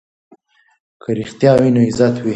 که رښتیا وي نو عزت وي.